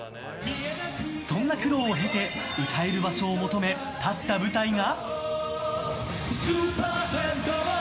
そんな苦労を経て歌える場所を求め立った舞台が。